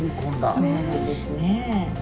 そうなんですね。